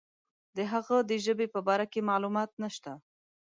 د هغه د ژبې په باره کې معلومات نشته.